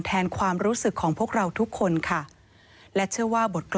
แทนความรู้สึกของพวกเราทุกคนค่ะและเชื่อว่าบทกรรม